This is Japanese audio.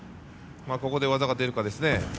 ここで技が出るかですね。